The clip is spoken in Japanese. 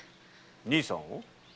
兄さんを？